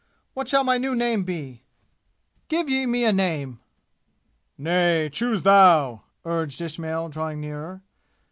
"What shall my new name be? Give ye me a name!" "Nay, choose thou!" urged Ismail, drawing nearer.